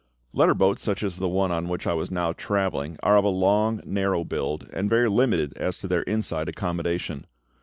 Letter boats such as the one on which I was now travelling are of a long narrow build, and very limited as to their inside accommodation.